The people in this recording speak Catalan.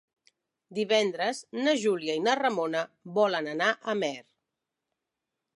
Divendres na Júlia i na Ramona volen anar a Amer.